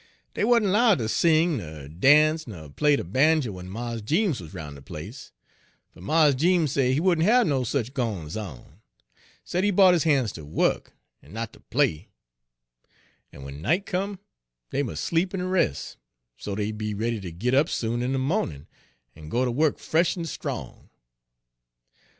Dey wa'n't 'lowed ter sing, ner dance, ner play de banjo w'en Mars Jeems wuz roun' de place; fer Mars Jeems say he wouldn' hab no sech gwines on, said he bought his han's ter wuk, en not ter play, en w'en night come dey mus' sleep en res', so dey'd be ready ter git up soon in de mawnin' en go ter dey wuk fresh en strong.